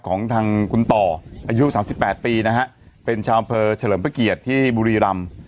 ของทางคุณต่ออายุสามสิบแปดปีนะฮะเป็นชาวเผลอเฉลิมเผื่อเกียรติที่บุรีรำ